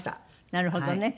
なるほどね。